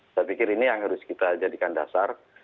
saya pikir ini yang harus kita jadikan dasar